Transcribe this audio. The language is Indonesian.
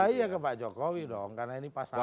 iya ke pak jokowi dong karena ini pasangan